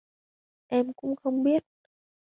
Em cũng không biết